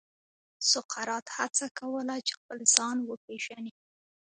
سقراط هڅه کوله چې خپل ځان وپېژني.